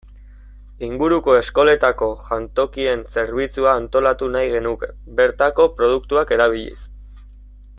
Inguruko eskoletako jantokien zerbitzua antolatu nahi genuke bertako produktuak erabiliz.